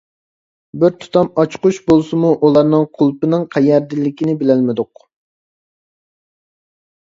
بىر تۇتام ئاچقۇچ بولسىمۇ ئۇلارنىڭ قۇلۇپىنىڭ قەيەردىلىكىنى بىلەلمىدۇق.